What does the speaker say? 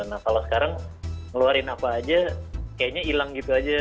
nah kalau sekarang ngeluarin apa aja kayaknya hilang gitu aja